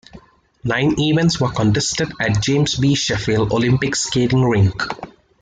Nine events were contested at James B. Sheffield Olympic Skating Rink.